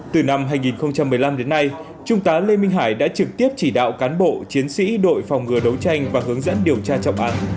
từ năm hai nghìn một mươi năm đến nay trung tá lê minh hải đã trực tiếp chỉ đạo cán bộ chiến sĩ đội phòng ngừa đấu tranh và hướng dẫn điều tra trọng án